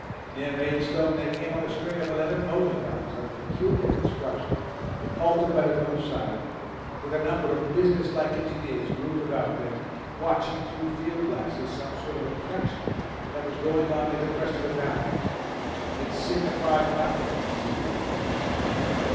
Near Maidstone they came on a string of eleven motor guns of peculiar construction halted by the roadside, with a number of businesslike engineers grouped about them watching through field glasses some sort of entrenchment that was going on near the crest of the downs. It signified nothing to Bert.